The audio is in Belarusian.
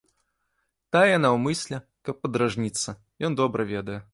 Тая наўмысля, каб падражніцца, ён добра ведае.